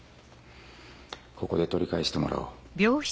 ここで取り返してもらおう。